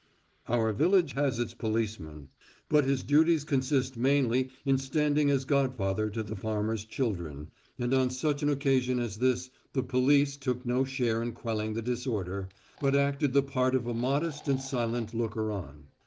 Our village has its policeman, but his duties consist mainly in standing as godfather to the farmers' children, and on such an occasion as this "the police" took no share in quelling the disorder, but acted the part of a modest and silent looker on.